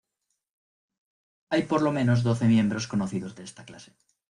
Hay por lo menos doce miembros conocidos de esta clase.